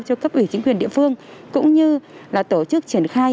cho cấp ủy chính quyền địa phương cũng như là tổ chức triển khai